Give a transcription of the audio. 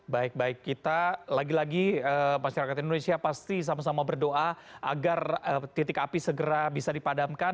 baik baik kita lagi lagi masyarakat indonesia pasti sama sama berdoa agar titik api segera bisa dipadamkan